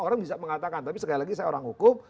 orang bisa mengatakan tapi sekali lagi saya orang hukum